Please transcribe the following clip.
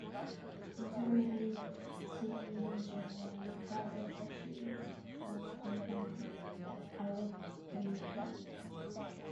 Internal integer representation used one's complement arithmetic.